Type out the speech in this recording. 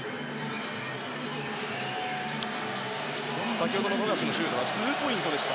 先ほどの富樫のシュートはツーポイントでした。